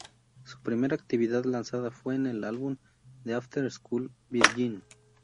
Su primera actividad lanzada fue en el álbum de After School "Virgin".